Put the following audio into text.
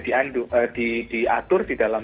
diatur di dalam